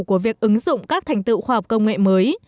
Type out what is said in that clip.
của việc ứng dụng các thành tựu khoa học công nghệ mới